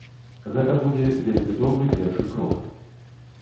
Гэта будзе вельмі добры першы крок.